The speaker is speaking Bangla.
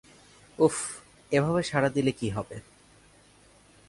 উফ, এভাবে সাড়া দিলে কি হবে!